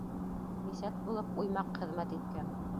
Мисәт булып уймаҡ хеҙмәт иткән.